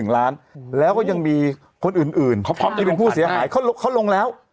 ๑ล้านแล้วก็ยังมีคนอื่นพยายามเป็นผู้เสียหาย